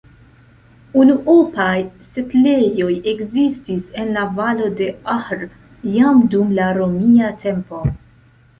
Unuopaj setlejoj ekzistis en la valo de Ahr jam dum la romia tempo.